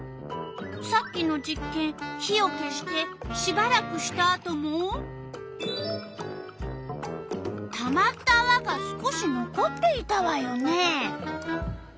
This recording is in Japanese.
さっきの実験火を消してしばらくしたあともたまったあわが少し残っていたわよね。